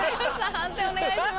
判定お願いします。